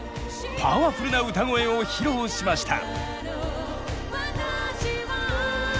パワフルな歌声を披露しました。